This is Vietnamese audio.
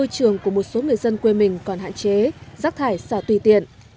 bảo vệ môi trường của một số người dân quê mình còn hạn chế rác thải xả tùy tiện